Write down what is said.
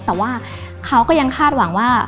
แต่ว่าเขาก็ยังคาดหวังว่า